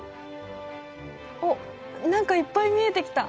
あっ何かいっぱい見えてきた。